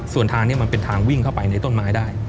ส่วนทางนี้มันเป็นทางวิ่งเข้าไปในต้นไม้ได้